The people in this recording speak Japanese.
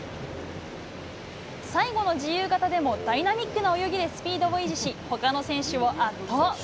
最後の自由形でも、ダイナミックな泳ぎでスピードを維持し、ほかの選手を圧倒。